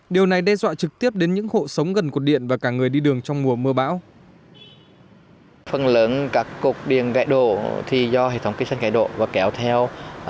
điều này đe dọa trực tiếp đến những hộ sống gần cột điện và cả người đi đường trong mùa mưa bão